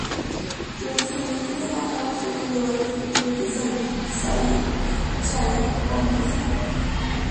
Los descendientes de Mahoma suelen llevar los títulos de Sayyid, Sayed, Sharif o Mirza.